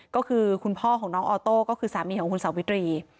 ก็คือคุณพ่อของน้องออโต้ก็คือสามีของคุณสาวิตรี